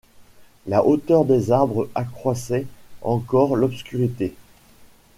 La hauteur des arbres accroissait encore l’obscurité.